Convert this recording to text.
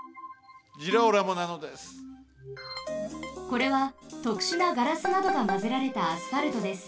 これはとくしゅなガラスなどがまぜられたアスファルトです。